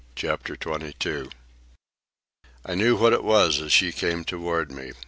CHAPTER XXII I knew what it was as she came toward me.